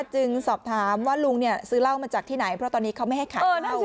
จึงสอบถามว่าลุงซื้อเหล้ามาจากที่ไหนเพราะตอนนี้เขาไม่ให้ขายเหล้า